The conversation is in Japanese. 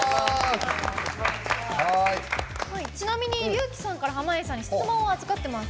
ちなみにＲＹＵＫＩさんから濱家さんに質問を預かってます。